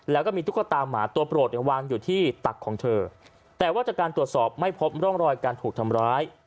แล้วก็มีตุ๊กตาหมาตัวโปรดเนี่ยวางอยู่ที่ตักของเธอแต่ว่าจากการตรวจสอบไม่พบร่องรอยการถูกทำร้าย